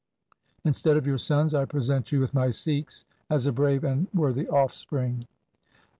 Instead of your sons I present you with my Sikhs as a brave and worthy offspring.'